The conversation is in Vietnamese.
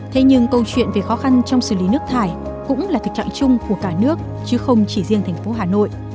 thế nhưng câu chuyện về khó khăn trong xử lý nước thải cũng là thực trạng chung của cả nước chứ không chỉ riêng thành phố hà nội